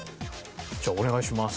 じゃあお願いします。